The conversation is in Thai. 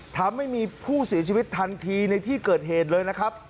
ทำให้ไม่มีผู้สีชีวิตทันทีในที่เกิดเหตุเลย